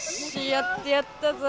やってやったぞ。